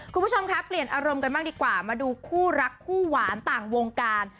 คุณผู้ชมคะเปลี่ยนอารมณ์กันบ้างดีกว่ามาดูคู่รักคู่หวานต่างวงการ